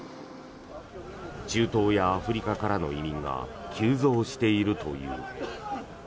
中東やアフリカからの移民が急増しているという。